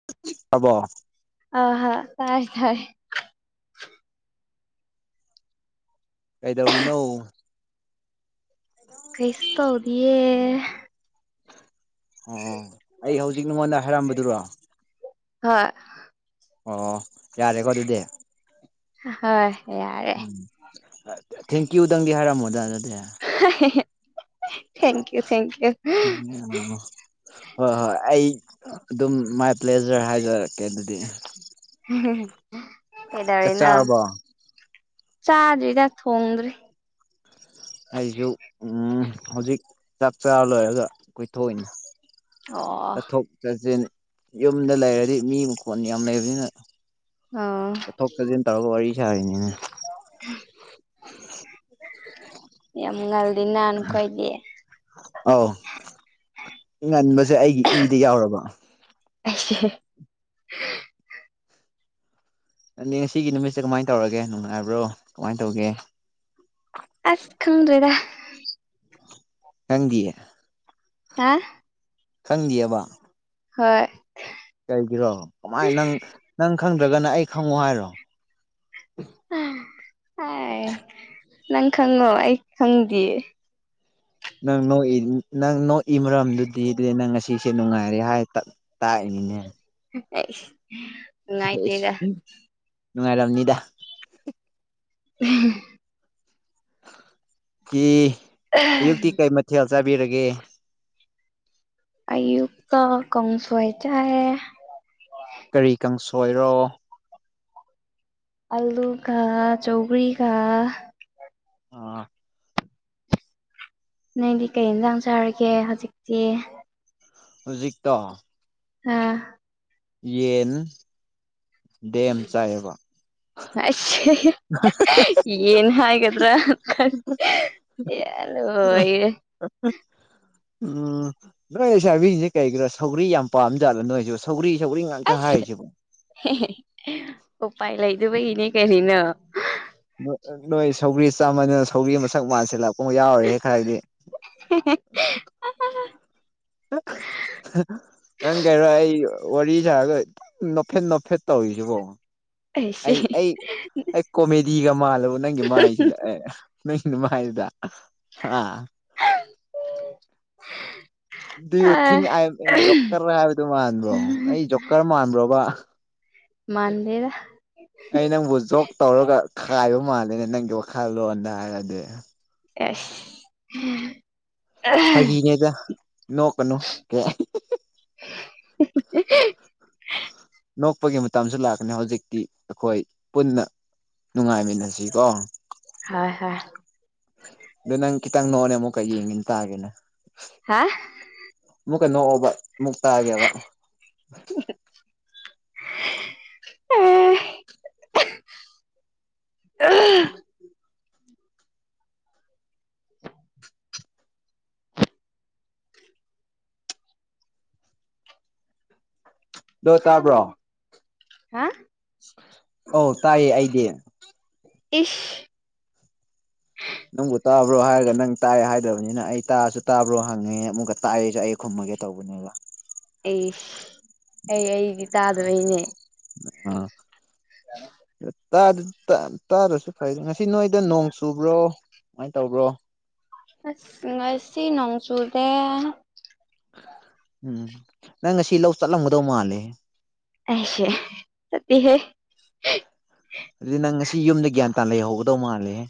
[unintelligible] ꯑꯍꯥ ꯇꯥꯏ ꯇꯥꯏ ꯀꯩꯗꯧꯔꯤꯅꯣ ꯀꯩꯁꯨ ꯇꯧꯗꯤꯌꯦ ꯑꯣ ꯑꯩ ꯍꯧꯖꯤꯛ ꯅꯉꯣꯟꯗ ꯍꯥꯏꯔꯝꯕꯗꯨꯔꯣ ꯍꯣꯏ ꯑꯣ ꯌꯥꯔꯦꯀꯣ ꯑꯗꯨꯗꯤ ꯍꯣꯏ ꯌꯥꯔꯦ ꯎꯝ ꯊꯦꯡꯀꯌꯨꯗꯪꯗꯤ ꯍꯥꯏꯔꯝꯃꯣꯗ ꯑꯗꯨ ꯊꯦꯡꯀ꯭ꯌꯨ ꯊꯦꯡꯀ꯭ꯌꯨ [unintelligible] ꯍꯣꯏ ꯍꯣꯏ ꯑꯩ ꯑꯗꯨꯝ ꯃꯥꯏ ꯄ꯭ꯂꯦꯖꯔ ꯍꯥꯏꯖꯔꯛꯀꯦ ꯑꯗꯨꯗꯤ ꯆꯥꯛ ꯀꯩꯗꯧꯔꯤꯅꯣ ꯆꯥꯔꯕꯣ ꯆꯥꯗ꯭ꯔꯤꯗ ꯊꯣꯡꯗ꯭ꯔꯤ ꯑꯩꯁꯨ ꯎꯝ ꯍꯧꯖꯤꯛ ꯆꯥꯛ ꯆꯥꯕ ꯂꯣꯏꯔꯒ ꯀꯣꯏꯊꯣꯛꯏꯅꯦ ꯑꯣ ꯆꯠꯊꯣꯛ ꯆꯠꯁꯤꯟ ꯌꯨꯝꯗ ꯂꯩꯔꯗꯤ ꯃꯤ ꯃꯈꯣꯟ ꯌꯥꯝ ꯂꯩꯕꯅꯤꯅ ꯑꯣ ꯆꯠꯊꯣꯛ ꯆꯠꯁꯤꯟ ꯇꯧꯔꯒ ꯋꯥꯔꯤ ꯁꯥꯔꯤꯅꯤꯅꯦ ꯌꯥꯝ ꯉꯜꯂꯤꯅ ꯅꯈꯣꯏꯗꯤ ꯑꯧ ꯉꯟꯕꯁꯦ ꯑꯩꯒꯤ ꯏꯗ ꯌꯥꯎꯔꯕ [unintelligible] ꯅꯪꯗꯤ ꯉꯁꯤꯒꯤ ꯅꯨꯃꯤꯠꯁꯦ ꯀꯃꯥꯏꯅ ꯇꯧꯔꯒꯦ ꯅꯨꯡꯉꯥꯏꯕ꯭ꯔꯣ ꯀꯃꯥꯏꯅ ꯇꯧꯒꯦ ꯑꯁ ꯈꯪꯗ꯭ꯔꯦꯗ ꯈꯪꯗꯤꯌꯦ ꯍꯥ ꯈꯪꯗꯦꯑꯕ ꯍꯣꯏ ꯀꯩꯒꯤꯔꯣ ꯀꯃꯥꯏꯅ ꯅꯪ ꯅꯪ ꯈꯪꯗ꯭ꯔꯒꯅ ꯑꯩ ꯈꯪꯉꯣ ꯍꯥꯏꯔꯣ ꯑꯥꯏ ꯅꯪ ꯈꯪꯉꯣ ꯑꯩ ꯈꯪꯗꯤ ꯅꯪ ꯅꯣꯛꯏ ꯅꯪ ꯅꯣꯛꯏ ꯃꯔꯝꯗꯨꯗꯤ ꯑꯗꯨꯗꯤ ꯅꯪ ꯉꯁꯤꯁꯦ ꯅꯨꯡꯉꯥꯏꯔꯦ ꯍꯥꯏ ꯇꯥꯛ ꯇꯥꯛꯏꯅꯤꯅꯦ [unintelligible] [unintelligible] ꯅꯨꯡꯉꯥꯏꯔꯝꯅꯤꯗ [unintelligible] ꯀꯤ [inaudible] ꯑꯌꯨꯛꯇꯤ ꯀꯩ ꯃꯊꯦꯜ ꯆꯥꯕꯤꯔꯒꯦ ꯑꯌꯨꯛꯇ ꯀꯥꯡꯁꯣꯏ ꯆꯥꯏ ꯀꯔꯤ ꯀꯥꯡꯁꯣꯏꯔꯣ ꯑꯜꯂꯨ ꯀ ꯆꯧꯒꯔꯤ ꯀ ꯑ ꯅꯪꯗꯤ ꯀꯩ ꯌꯦꯟꯁꯥꯡ ꯆꯥꯔꯒꯦ ꯍꯧꯖꯤꯛꯇꯤ ꯍꯨꯖꯤꯛꯇꯣ ꯍꯥꯥ ꯌꯦꯟ ꯇꯦꯝ ꯆꯥꯏꯌꯦꯕ ꯑꯁ ꯌꯦꯟ ꯍꯥꯏꯒꯗ꯭ꯔꯥꯈꯟ ꯌꯔꯣꯌꯦ ꯎꯝ ꯎꯝ ꯅꯣꯏ ꯂꯩꯁꯥꯕꯤꯁꯦ ꯀꯩꯒꯤꯔꯣ ꯁꯧꯒ꯭ꯔꯤ ꯌꯥꯝ ꯄꯥꯝ ꯖꯥꯠꯂ ꯅꯣꯏꯁꯨ ꯁꯧꯒꯔꯤ ꯁꯧꯒꯔꯤ ꯉꯥꯛꯇ ꯇꯥ ꯑꯁ ꯍꯥꯏꯁꯤꯕꯣ ꯎꯄꯥꯏ ꯂꯩꯗꯕꯒꯤꯅꯦ ꯀꯔꯤꯅꯣ ꯅꯣꯏ ꯁꯧꯒ꯭ꯔꯤ ꯆꯥꯃꯟꯗꯅ ꯁꯧꯒ꯭ꯔꯤ ꯃꯁꯛ ꯃꯁꯤꯜꯂꯥꯛꯄ ꯑꯃ ꯌꯥꯎꯔꯦ ꯈꯔꯗꯤ ꯑꯏ [unintelligible] ꯅꯪ ꯀꯩꯔꯣ ꯑꯩ ꯋꯥꯔꯤ ꯁꯥꯔꯒꯪ ꯅꯣꯞꯐꯦꯠ ꯅꯣꯞꯐꯦꯠ ꯇꯧꯔꯤꯁꯤꯕꯣ ꯑꯩꯁꯤ ꯑꯩ ꯑꯩ ꯑꯩ ꯀꯣꯃꯦꯗꯤꯒ ꯃꯥꯜꯂꯕꯨ ꯅꯪꯒꯤ ꯃꯥꯏꯁꯤꯗ ꯑꯦ ꯅꯪꯒꯤ ꯃꯥꯏꯗꯨꯗ ꯑꯥ ꯗꯨ ꯌꯨ ꯑ ꯊꯤꯡ ꯏ ꯑꯝ ꯖꯣꯀꯔ ꯍꯥꯏꯕꯗꯨ ꯃꯥꯟꯕ꯭ꯔꯣ ꯑꯩ ꯖꯣꯀꯔ ꯃꯥꯟꯕ꯭ꯔꯣꯕ ꯃꯥꯥꯟꯗꯦꯗ ꯑꯩ ꯅꯪꯕꯨ ꯖꯣꯛ ꯇꯧꯔꯒ ꯈꯥꯏꯕ ꯃꯥꯜꯂꯦꯅꯦ ꯅꯪꯒꯤ ꯋꯥꯈꯜ ꯂꯣꯟꯗ ꯍꯥꯏꯔꯗꯤ ꯑꯦꯁ ꯐꯥꯒꯤꯅꯦꯗ ꯅꯣꯛꯀꯅꯨ ꯀ [unintelligible] ꯅꯣꯛꯄꯒꯤ ꯃꯇꯝꯁꯨ ꯂꯥꯛꯀꯅꯤ ꯍꯧꯖꯤꯛꯇꯤ ꯑꯩꯈꯣꯏ ꯄꯨꯟꯅ ꯅꯨꯡꯉꯥꯏꯃꯤꯟꯅꯁꯤ ꯀꯣ ꯍꯣꯏ ꯍꯣꯏ ꯑꯗꯨ ꯅꯪ ꯈꯤꯇꯪ ꯅꯣꯡꯅꯦ ꯑꯃꯨꯛꯀ ꯌꯦꯡꯒꯦꯅ ꯇꯥꯒꯦꯅ ꯍꯥ ꯑꯃꯨꯛꯀ ꯅꯣꯛꯑꯣꯕ ꯃꯨꯛꯇꯒꯦꯕ ꯑ ꯑ [unintelligible] [inaudible] ꯗꯣ ꯇꯥꯕ꯭ꯔꯣ ꯍꯥ ꯑꯧ ꯇꯥꯏꯌꯦ ꯑꯩꯗꯤ ꯏꯁ ꯅꯪꯕꯨ ꯇꯥꯕ꯭ꯔꯣ ꯍꯥꯏꯔꯒ ꯅꯪ ꯇꯥꯏ ꯍꯥꯏꯗꯕꯅꯤꯅ ꯑꯩ ꯇꯥꯔꯁꯨ ꯇꯥꯕ꯭ꯔꯣ ꯍꯪꯉꯤ ꯑꯃꯨꯛꯀ ꯇꯥꯛꯑꯦꯁꯨ ꯑꯩ ꯈꯨꯝꯃꯒꯦ ꯇꯧꯕ ꯕꯨꯅꯦꯕ ꯑꯩꯁ ꯑꯩ ꯑꯩꯗꯤ ꯇꯥꯗꯕꯩꯅꯦ ꯑ ꯑ [inaudible] ꯇꯥꯗ ꯇꯥ ꯇꯥꯗꯁꯨ ꯐꯩ ꯉꯁꯤ ꯅꯣꯏꯗ ꯅꯣꯡ ꯆꯨꯕ꯭ꯔꯣ ꯀꯨꯃꯥꯏꯅ ꯇꯧꯕ꯭ꯔꯣ ꯑꯁ ꯉꯥꯁꯤ ꯅꯣꯡ ꯆꯨꯗꯦ ꯎꯝ ꯅꯪ ꯉꯁꯤ ꯂꯧ ꯆꯠꯂꯝꯒꯗꯧ ꯃꯥꯜꯂꯦ꯫ ꯑꯩꯁꯦ ꯆꯠꯇꯦꯍꯦ꯫ ꯑꯗꯨꯗꯤ ꯅꯪ ꯉꯁꯤ ꯌꯨꯝꯗ ꯒ꯭ꯌꯥꯟ ꯇꯥꯅ ꯂꯩꯍꯧꯒꯗꯧ ꯃꯥꯜꯂꯦꯍꯦ꯫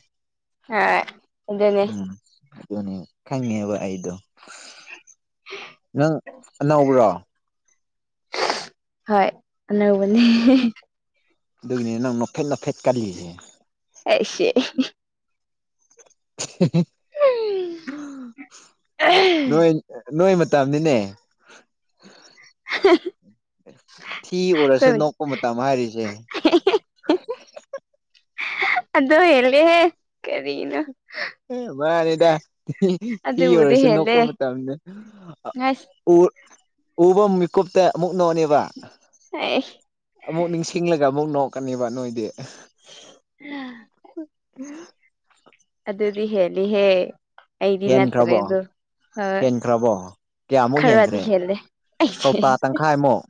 ꯍꯣꯏ ꯑꯗꯨꯅꯤ꯫ ꯎꯝ ꯑꯗꯨꯅꯦ ꯈꯪꯉꯦꯕ ꯑꯩꯗꯣ ꯅꯪ ꯑꯅꯧꯕ꯭ꯔꯣ ꯍꯣꯏ ꯑꯅꯧꯕꯅꯤ꯫ ꯑꯗꯨꯒꯤꯅꯤ ꯅꯪ ꯅꯣꯛꯐꯦꯠ ꯅꯣꯛꯐꯦꯠ ꯀꯜꯂꯤꯖꯦ ꯑꯩ ꯁꯦ ꯅꯣꯏ ꯑꯩꯈꯣꯏ ꯅꯣꯏ ꯃ ꯇꯝꯅꯤꯅꯦ ꯊꯤ ꯎꯔꯁꯨ ꯅꯣꯛꯄ ꯃꯇꯝ ꯍꯥꯏꯔꯤꯁꯦ꯫ ꯑꯗꯣ ꯍꯦꯜꯂꯦꯍꯦ ꯀꯔꯤꯅꯣ ꯫ ꯑꯦ ꯃꯥꯅꯤꯗ ꯊꯤ ꯑꯗꯨꯕꯨꯗꯤ ꯎꯔꯁꯨ ꯍꯦꯜꯂꯦ ꯅꯣꯛꯄ ꯃꯇꯝꯅꯦ꯫ ꯉꯁ ꯎ ꯎꯕ ꯃꯤꯀꯨꯞꯇ ꯑꯃꯨꯛ ꯅꯣꯛꯑꯅꯤꯕ꯫ ꯑꯩ ꯑꯃꯨꯛ ꯅꯤꯡꯁꯤꯡꯂꯒ ꯑꯃꯨꯛ ꯅꯣꯛꯀꯅꯤꯕ ꯅꯣꯏꯗꯤ꯫ [inaudible] ꯑꯗꯨꯗꯤ ꯍꯦꯜꯂꯤꯍꯦ ꯑꯩꯗꯤ ꯅꯠꯇꯔ꯭ꯦ ꯍꯦꯟꯈ꯭ꯔꯕꯣ ꯑꯗꯨ ꯫ ꯍꯦꯟꯈ꯭ꯔꯕꯣ꯫ ꯀꯌꯥꯃꯨꯛ ꯈꯔꯗꯤ ꯍꯦꯟꯈ꯭ꯔꯦ ꯍꯦꯜꯂꯦ ꯑꯩꯁꯦ ꯀꯧꯇꯥ ꯇꯪꯈꯥꯏꯃꯨꯛ꯫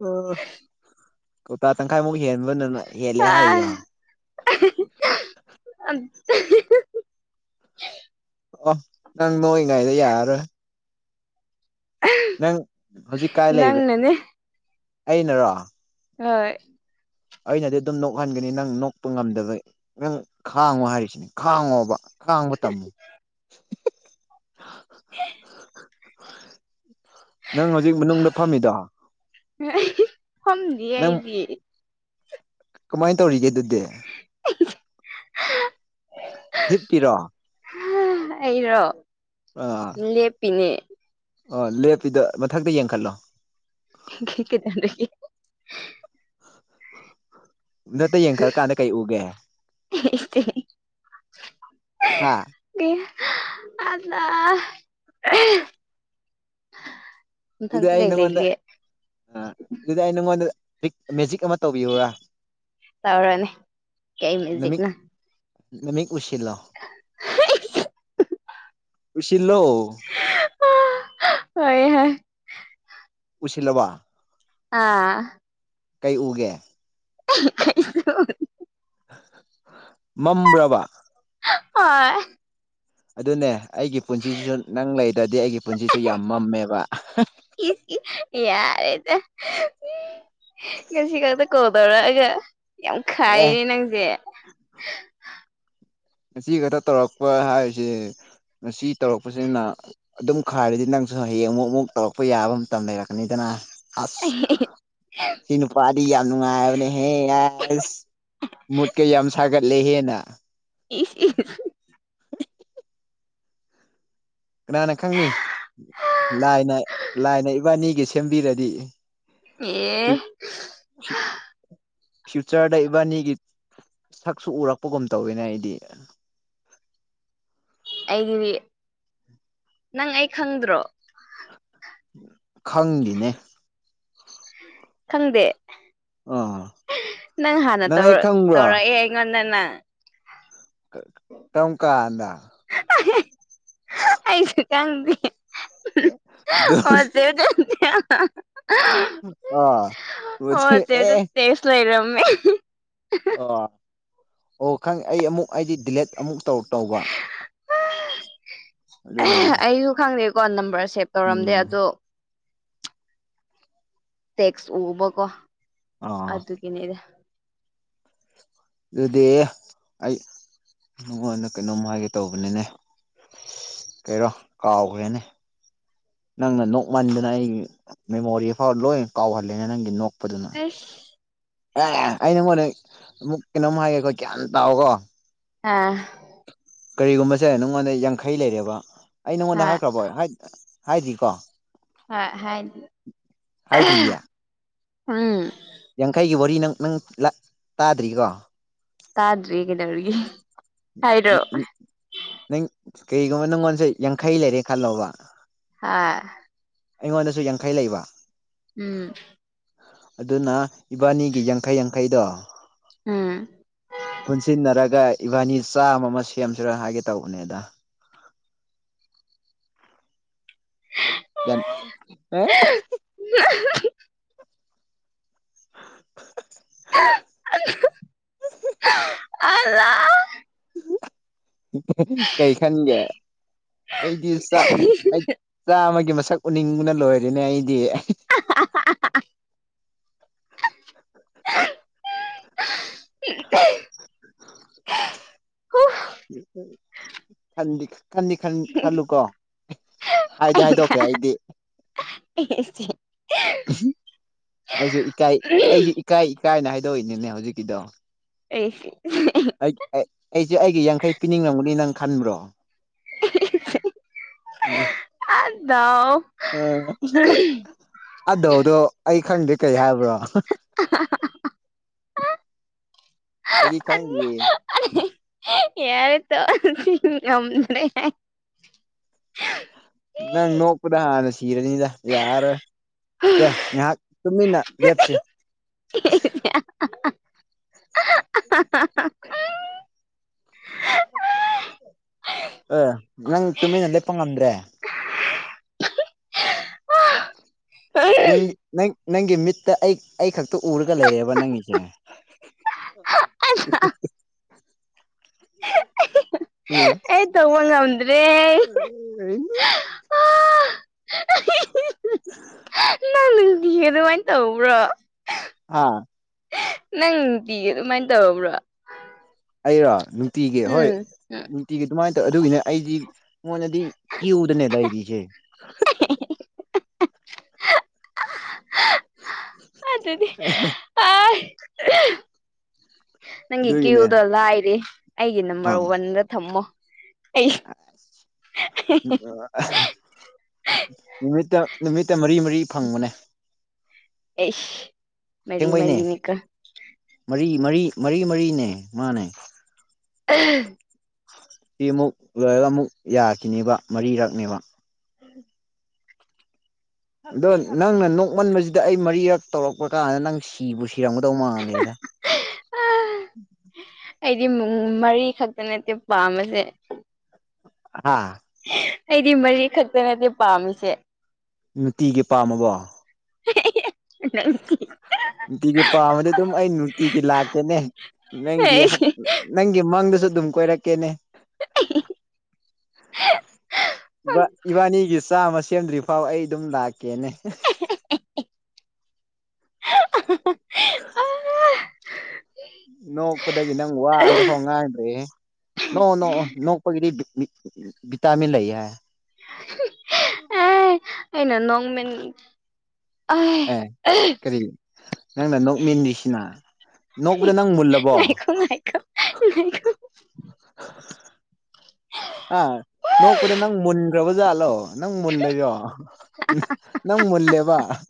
ꯑ ꯀꯧꯇꯥ ꯇꯪꯈꯥꯏꯃꯨꯛ ꯍꯦꯟꯕ ꯅꯪꯅ ꯑ ꯑꯝ ꯑꯣ ꯅꯪ ꯅꯣꯡꯏꯉꯩꯗ ꯌꯥꯔꯔꯣꯏ꯫ ꯅꯪ ꯍꯧꯖꯤꯛ ꯀꯥꯏ ꯂꯩꯔ ꯅꯪꯅꯅꯦ ꯑꯩꯅꯔꯣ꯫ ꯍꯣꯏ ꯑꯩꯅꯗꯤ ꯑꯗꯨꯝ ꯅꯣꯛꯍꯟꯒꯅꯤ ꯅꯪ ꯅꯣꯛꯄ ꯉꯝꯗꯕ ꯅꯪ ꯈꯥꯡꯉꯣ ꯍꯥꯏꯔꯤꯁꯤꯅꯦ ꯈꯥꯡꯉꯣꯕ꯫ ꯈꯥꯡꯕ ꯇꯝꯃꯨ [inaudible] ꯅꯪ ꯍꯧꯖꯤꯛ ꯃꯅꯨꯡꯗ ꯐꯝꯃꯤꯗꯣ ꯐꯝꯗꯤꯌꯦ ꯑꯩꯗꯤ꯫ ꯀꯃꯥꯏ ꯇꯧꯔꯤꯒꯦ ꯗꯨꯗꯤ꯫ [inaudible] ꯍꯤꯞꯄꯤꯔꯣ꯫ ꯑꯩꯔꯣ ꯑ ꯂꯦꯞꯄꯤꯅꯦ ꯑꯣ ꯂꯦꯞꯄꯤꯗꯣ ꯃꯊꯛꯇ ꯌꯦꯡꯈꯠꯂꯣ꯫ [unintelligible] ꯃꯊꯛꯇ ꯌꯦꯡꯈꯠꯂ ꯀꯥꯟꯗ ꯀꯩ ꯎꯒꯦ꯫ ꯏꯁꯇꯦ꯫ ꯍꯥꯥ [unintelligible] ꯗꯨꯗꯤ ꯃꯊꯪꯇ ꯑꯩ ꯀꯩ ꯅꯪꯉꯣꯟꯗ ꯂꯩꯒꯦ ꯑꯥ ꯗꯨꯗꯤ ꯑꯩ ꯅꯉꯣꯟꯗ ꯄꯤꯛ ꯃꯦꯖꯤꯛ ꯑꯃ ꯇꯧꯕꯤꯌꯨꯔꯥ ꯇꯧꯔꯅꯤ ꯀꯩ ꯅꯃꯤꯛ ꯃꯦꯖꯤꯛꯅ ꯅꯃꯤꯠ ꯎꯨꯢꯁꯤꯜꯂꯣ ꯎꯁꯤꯜꯂꯣ ꯍꯣꯢ ꯍꯣꯏ ꯎꯨꯢꯁꯤꯜꯂꯕ ꯑꯥ ꯀꯩ ꯎꯒꯦ ꯀꯩꯅꯣ ꯃꯝꯕ꯭ꯔꯥꯕ ꯍꯣꯢ ꯑꯗꯨꯅꯦ ꯑꯩꯒꯤ ꯄꯨꯟꯁꯤꯁꯤꯁꯨ ꯅꯪ ꯂꯩꯗ꯭ꯔꯗꯤ ꯑꯩꯒꯤ ꯄꯨꯟꯁꯤꯁꯨ ꯌꯥꯝ ꯃꯝꯃꯦꯕ ꯢꯁ ꯢꯁ ꯌꯥꯔꯦꯗ ꯉꯁꯤ ꯈꯛꯇ ꯀꯣꯜ ꯇꯧꯔꯛꯑꯒ ꯌꯥꯝ ꯑꯦ ꯈꯥꯏꯅꯦ ꯅꯪꯁꯦ ꯉꯁꯤ ꯈꯛꯇ ꯇꯧꯔꯛꯄ ꯍꯥꯏꯔꯤꯁꯤ ꯉꯁꯤ ꯇꯧꯔꯛꯄꯁꯤꯅ ꯑꯗꯨꯝ ꯈꯥꯢꯔꯗꯤ ꯅꯪꯁꯨ ꯍꯌꯦꯡ ꯑꯃꯨꯛ ꯑꯃꯨꯛ ꯇꯧꯔꯛꯄ ꯌꯥꯕ ꯃꯇꯝ ꯂꯩꯔꯛꯀꯅꯤꯗꯅ ꯑꯁ ꯁꯤ ꯅꯨꯄꯥꯗꯤ ꯌꯥꯝ ꯅꯨꯡꯉꯥꯏꯕꯅꯦ ꯍꯦ ꯑꯁ ꯃꯨꯠꯀ ꯌꯥꯝ ꯁꯥꯒꯠꯂꯦ ꯍꯥꯢꯅ ꯢꯁ ꯢꯁ ꯀꯅꯥꯅ ꯈꯪꯅꯤ ꯂꯥꯏꯅ ꯂꯥꯏꯅ ꯏꯕꯥꯅꯤꯒꯤ ꯁꯦꯝꯕꯤꯔꯗꯤ ꯑꯦ ꯁꯤ ꯐ꯭ꯌꯨꯆꯔꯗ ꯏꯕꯥꯅꯤꯒꯤ ꯁꯥꯛꯁꯨ ꯎꯔꯛꯄꯒꯨꯝ ꯇꯧꯋꯤꯅ ꯑꯩꯗꯤ ꯑꯩꯒꯤꯗꯤ ꯅꯪ ꯑꯩ ꯈꯪꯗ꯭ꯔꯣ ꯈꯪꯗꯦꯅꯦ ꯈꯪꯗꯦ ꯑꯥ ꯅꯪ ꯍꯥꯟꯅ ꯑꯩ ꯇꯧꯔꯛ ꯈꯪꯕ꯭ꯔꯣ ꯇꯧꯔꯛꯑꯦ ꯑꯩꯉꯣꯟꯗ ꯅꯪ ꯀꯔꯝꯒꯥꯟꯗ ꯑꯩꯁꯨ ꯈꯪꯗꯦ [unintelligible] [unintelligible] ꯑꯥ ꯑꯣꯆꯦ ꯑꯦ ꯇꯦꯁ ꯂꯩꯔꯝꯃꯦ ꯑꯣ ꯑꯣ ꯈꯪ ꯑꯩ ꯑꯃꯨꯛ ꯑꯩꯗꯤ ꯗꯤꯂꯦꯠ ꯑꯃꯨꯛ ꯇꯧ ꯇꯧꯕ ꯑꯗꯨꯒꯤꯅꯤꯗ ꯑꯩꯁꯨ ꯈꯪꯗꯦꯀꯣ ꯅꯝꯕꯔ ꯁꯦꯞ ꯇꯧꯔꯝꯗꯦ ꯎꯝ ꯑꯗꯣ ꯇꯦꯛꯁ ꯎꯕꯀꯣ ꯑꯥ ꯑꯗꯨꯒꯤꯅꯦꯗ ꯑꯗꯨꯗꯤ ꯑꯩ ꯅꯉꯣꯟꯗ ꯀꯩꯅꯣꯝ ꯍꯥꯏꯒꯦ ꯇꯧꯕꯅꯤꯅꯦ ꯀꯩꯔꯣ ꯀꯥꯎꯈ꯭ꯔꯦꯅꯦ ꯅꯪꯅ ꯅꯣꯛꯃꯟꯗꯅ ꯑꯩꯒꯤ ꯃꯦꯃꯣꯔꯤꯐꯥꯎ ꯂꯣꯏꯅ ꯀꯥꯎꯍꯜꯂꯦꯅ ꯅꯪꯒꯤ ꯅꯣꯛꯄꯗꯨꯅ ꯑꯦꯁ ꯑꯦ ꯑꯩ ꯅꯪꯉꯣꯟꯗ ꯑꯃꯨꯛ ꯀꯩꯅꯣꯝ ꯍꯥꯏꯒꯦꯒꯣ ꯒ꯭ꯌꯥꯝ ꯇꯥꯎꯀꯣ ꯑꯥ ꯀꯔꯤꯒꯨꯝꯕꯁꯦ ꯅꯪꯉꯣꯟꯗ ꯌꯥꯡꯈꯩ ꯂꯩꯔꯦꯕ ꯑꯩ ꯍ ꯅꯪꯉꯣꯟꯗ ꯍꯥꯏꯈ꯭ꯔꯕꯣ ꯍꯥꯏꯗ꯭ꯔꯤꯀꯣ ꯍꯣꯢ ꯍꯥꯏ ꯍꯥꯏꯗ꯭ꯔꯤꯌꯦ ꯎꯝ ꯌꯥꯡꯈꯩꯒꯤ ꯋꯥꯔꯤ ꯅꯪ ꯅꯪ ꯇꯥꯗ꯭ꯔꯤꯀꯣ ꯇꯥꯗ꯭ꯔꯤ ꯀꯩꯗꯧꯔꯒꯦ ꯅꯪ ꯀꯔꯤꯒꯨꯝꯕ ꯅꯪꯉꯣꯟꯁꯦ ꯌꯥꯡꯈꯩ ꯂꯩꯔꯦ ꯈꯜꯂꯣꯕ ꯍꯥ ꯑꯩꯉꯣꯟꯗꯁꯨ ꯌꯥꯡꯈꯩ ꯂꯩꯕ ꯎꯝ ꯑꯗꯨꯅ ꯏꯕꯥꯅꯤꯒꯤ ꯌꯥꯡꯈꯩ ꯌꯥꯡꯈꯩꯗꯣ ꯎꯝ ꯄꯨꯟꯁꯤꯅꯔꯒꯥꯏ ꯏꯕꯥꯅꯤ ꯆꯥꯝꯃ ꯑꯃ ꯁꯦꯝꯁꯤꯔꯥ ꯍꯥꯏꯒꯦ ꯇꯧꯕꯅꯦꯗ ꯒ꯭ꯌꯥꯟ ꯑꯦ [unintelligible] ꯑꯂꯥ ꯀꯩ ꯈꯟꯒꯦ ꯑꯩꯗꯤ ꯆꯥꯛ ꯑꯩ ꯆꯥꯝꯃꯒꯤ ꯃꯁꯛ ꯎꯅꯤꯡꯕꯅ ꯂꯣꯏꯔ‌ꯦꯅꯦ ꯑꯩꯗꯤ [unintelligible] [unintelligible] ꯈꯟꯗꯤ ꯈꯅꯤꯛ ꯈꯟ ꯈꯜꯂꯨꯀꯣ ꯍꯥꯏꯗꯤ ꯍꯥꯏꯗꯣꯛꯈ꯭ꯔꯦ ꯑꯩꯗꯤ [unintelligible] ꯑꯩꯗꯤ ꯑꯩꯖꯨ ꯏꯀꯥꯏ ꯑꯩꯖꯨ ꯏꯀꯥꯏ ꯏꯀꯥꯏꯅ ꯍꯥꯏꯗꯣꯛꯏꯅꯤꯅꯦ ꯍꯧꯖꯤꯛꯀꯤꯗꯣ ꯑꯩꯒꯤ ꯑꯩꯠ ꯑꯩ ꯑꯩꯖꯨ ꯑꯩꯒꯤ ꯌꯥꯡꯈꯩ ꯄꯤꯅꯤꯡꯂꯝꯒꯅꯤ ꯅꯪ ꯈꯟꯕ꯭ꯔꯣ [unintelligible] ꯗꯥꯎ ꯑ ꯑꯗꯧꯗꯣ ꯑꯩ ꯈꯪꯗꯦ ꯀꯩ ꯍꯥꯏꯕ꯭ꯔꯣ [unintelligible] ꯑꯩꯗꯤ ꯈꯪꯗꯤꯌꯦ ꯌꯥꯔꯦ ꯇꯣꯛꯑꯖꯤ ꯉꯝꯗ‌ꯦ ꯅꯪ ꯅꯣꯛꯄꯗ ꯍꯥꯟꯅ ꯁꯤꯔꯅꯤꯗ ꯌꯥꯔꯔꯣꯏ ꯗ‌ꯦ ꯉꯥꯏꯍꯥꯛ ꯇꯨꯃꯤꯟꯅ ꯂꯦꯞꯁꯤ ꯑ ꯅꯪ ꯇꯨꯃꯤꯟꯅ ꯂꯦꯞꯄ ꯉꯝꯗ꯭ꯔꯦ [inaudible] ꯅꯪꯒꯤ ꯅꯪ ꯅꯪꯒꯤ ꯃꯤꯠꯇ ꯑꯩ ꯑꯩ ꯈꯛꯇ ꯎꯔꯒ ꯂꯩꯔꯦꯕ ꯅꯪꯒꯤꯖ‌ꯦ [inaudible] ꯎꯝ ꯑꯩ ꯇꯧꯕ ꯉꯝꯗ꯭ꯔꯦ ꯑꯩ [unintelligible] ꯅꯪ ꯅꯨꯡꯇꯤꯒꯤ ꯑꯗꯨꯃꯥꯏꯟ ꯇꯧꯕ꯭ꯔꯣ ꯑꯥ ꯅꯪ ꯅꯨꯡꯇꯤꯒꯤ ꯑꯗꯨꯃꯥꯏꯟ ꯇꯧꯕ꯭ꯔꯣ ꯑꯩꯔꯣ ꯅꯨꯡꯇꯤꯒꯤ ꯍꯣꯏ ꯎꯝ ꯎꯝ ꯇꯤꯒꯤ ꯑꯗꯨꯃꯥꯏꯟ ꯇꯧ ꯑꯗꯨꯒꯤꯅꯦ ꯑꯩꯗꯤ ꯃ‌ꯣꯏꯅꯗꯤ ꯀ꯭ꯌꯨꯗꯅꯦ ꯂꯩꯔꯤꯖ‌ꯦ [inaudible] ꯑꯗꯨꯗꯤ ꯑꯥ ꯅꯪꯒꯤ ꯑꯗꯨꯒꯤꯅꯦ ꯀ꯭ꯌꯨꯗꯣ ꯂꯥꯏꯔꯤ ꯑꯩꯒꯤ ꯅꯝꯕ꯭ꯔ ꯑꯥ ꯋꯥꯟꯗ ꯊꯝꯃꯣ ꯑꯩ [unintelligible] ꯅꯨꯃꯤꯠꯇ ꯅꯨꯃꯤꯠꯇ ꯃꯔꯤ ꯃꯔꯤ ꯐꯪꯕꯅꯦ ꯑꯩꯁ ꯃꯔꯤ ꯑꯁꯦꯡꯕꯩꯅꯦ ꯃꯔꯤꯅꯤꯀꯣ ꯃꯔꯤ ꯃꯔꯤ ꯃꯔꯤ ꯃꯔꯤꯅꯦ ꯃꯥꯅꯦ [unintelligible] ꯁꯤ ꯑꯃꯨꯛ ꯂꯣꯏꯔꯒ ꯑꯃꯨꯛ ꯌꯥꯈꯤꯅꯦꯕ ꯃꯔꯤꯔꯛꯅꯦꯕ ꯑꯗꯣ ꯅꯪꯅ ꯅꯣꯛꯃꯟꯕꯁꯤꯗ ꯑꯩ ꯃꯔꯤꯔꯛ ꯇꯧꯔꯛꯄ ꯀꯥꯟꯗ ꯅꯪ ꯁꯤꯕꯨ ꯁꯤꯔꯝꯒꯗꯧ ꯃꯥꯜꯂꯦꯗ ꯑ ꯑꯩꯗꯤꯃꯨꯡ ꯃꯔꯤ ꯈꯛꯇ ꯅꯠꯇꯦ ꯄꯥꯝꯕꯁꯦ ꯍꯥ ꯑꯩꯗꯤ ꯃꯔꯤ ꯈꯛꯇ ꯅꯠꯇꯦ ꯄꯥꯝꯃꯤꯁꯦ ꯅꯨꯡꯇꯤꯒꯤ ꯄꯥꯝꯃꯕꯣ ꯈꯪꯇ‌ꯦ ꯅꯨꯡꯇꯤꯒꯤ ꯄꯥꯝꯃꯗꯤ ꯑꯗꯨꯝ ꯑꯩ ꯅꯨꯡꯇꯤꯒꯤ ꯂꯥꯛꯀꯦꯅꯦ ꯅꯪꯒꯤ ꯍꯛ ꯅꯪꯒꯤ ꯃꯪꯗꯁꯨ ꯑꯗꯨꯝ ꯀꯣꯏꯔꯛꯀꯦꯅꯦ ꯏꯕꯥ ꯏꯕꯥꯏꯅꯤꯒꯤ ꯆꯥꯃ ꯁꯦꯝꯗ꯭ꯔꯤꯐꯥꯎ ꯑꯩ ꯑꯗꯨꯝ ꯂꯥꯛꯀꯦꯅꯦ [unintelligible] ꯅꯣꯛꯄꯗꯒꯤ ꯅꯪ ꯋꯥ ꯑꯝꯗꯐꯥꯎ ꯉꯥꯡꯗ꯭ꯔ‌ꯦꯍꯦ ꯅ‌ꯣꯛꯑ‌ꯣ ꯅ‌ꯣꯛꯑꯣ ꯅꯣꯛꯄꯒꯤꯗꯤ ꯕꯤꯠ ꯕꯤꯠ ꯕꯤꯠꯇꯥꯃꯤꯟ ꯂꯩꯌ‌ꯦ ꯍꯥꯏ ꯑꯥ ꯑꯩꯅ ꯅꯣꯛꯅꯤꯡ ꯑꯦ ꯀꯔꯤ ꯅꯪꯅ ꯅꯣꯛ ꯃꯤꯟꯗ꯭ꯔꯤꯁꯤꯅ ꯉꯥꯏꯈ‌ꯣ ꯉꯥꯏꯈ‌ꯣ ꯉꯥꯏꯈ‌ꯣ ꯑꯥ ꯅꯣꯛꯄꯗ ꯅꯪ ꯃꯨꯟꯈ꯭ꯔꯥꯕ ꯖꯥꯠꯂꯣ ꯅꯪ ꯃꯨꯜꯂꯤꯔ‌ꯣ ꯅꯪ ꯃꯨꯜꯂ‌ꯦꯕ